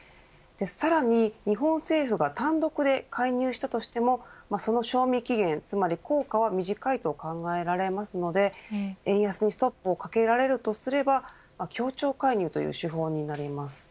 さらに、日本政府が単独で介入したとしてもその賞味期限、つまり効果は短いと考えられますので円安にストップをかけられるとすれば協調介入という手法になります。